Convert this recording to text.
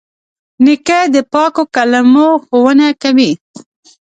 نیکه د پاکو کلمو ښوونه کوي.